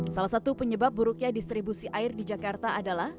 salah satu penyebab buruknya distribusi air di jakarta adalah